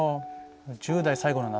１０代最後の夏。